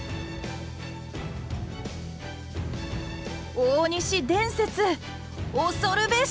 大西伝説恐るべし！